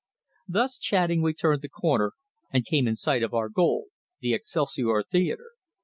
Thus chatting, we turned the corner, and came in sight of our goal, the Excelsior Theatre.